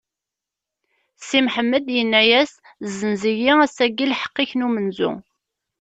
Si Mḥemmed inna-as: Zzenz-iyi ass-agi lḥeqq-ik n umenzu.